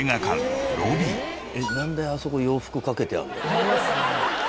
えっなんであそこ洋服掛けてあるの？